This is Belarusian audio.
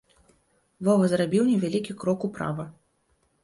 Вова зрабіў невялікі крок управа.